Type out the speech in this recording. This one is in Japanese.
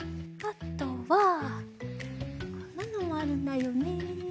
あとはこんなのもあるんだよね。